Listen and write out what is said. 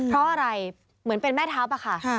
เพราะอะไรเหมือนเป็นแม่ทัพอะค่ะ